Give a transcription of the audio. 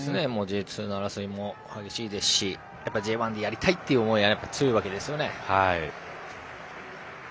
Ｊ２の争いも激しいですしＪ１でやりたいという思いが強いわけですよね。